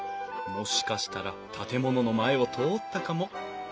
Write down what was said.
もしかしたら建物の前を通ったかも。